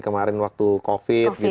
kemarin waktu covid awal awal